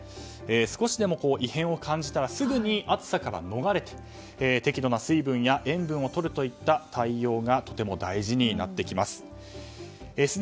少しでも異変を感じたらすぐに暑さから逃れて適度な水分や塩分をとるといった対応がとても大事になってきます。